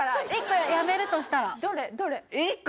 １個やめるとしたら？